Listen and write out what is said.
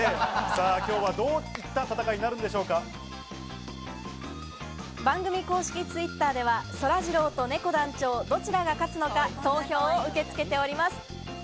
今日はどういった戦いなるん番組公式Ｔｗｉｔｔｅｒでは、そらジローとねこ団長、どちらが勝つのか投票を受け付けております。